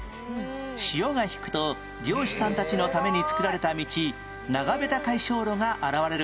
潮が引くと漁師さんたちのために作られた道長部田海床路が現れるんです